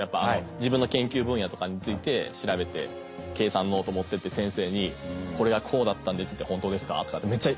自分の研究分野とかについて調べて計算ノート持ってて先生に「これはこうだったんです」って「本当ですか？」とかってめっちゃ。